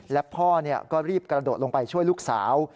และพ่อก็รีบกระโดดลงไปช่วยลูกสาว